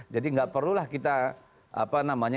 jadi tidak perlulah kita apa namanya